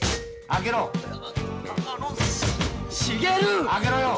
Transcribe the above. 開けろよ！